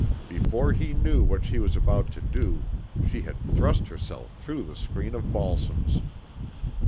Before he knew what she was about to do she had thrust herself through the screen of balsams.